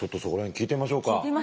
聞いてみましょうか。